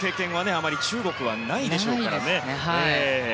あまり中国はないでしょうから。